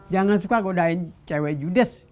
jangan suka godain cewek judes